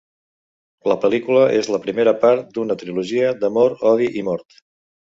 La pel·lícula és la primera part d'una trilogia d'amor, odi i mort.